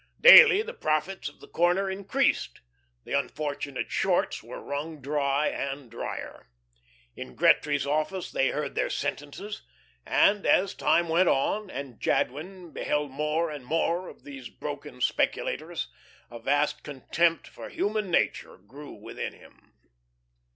Daily the profits of the corner increased. The unfortunate shorts were wrung dry and drier. In Gretry's office they heard their sentences, and as time went on, and Jadwin beheld more and more of these broken speculators, a vast contempt for human nature grew within him.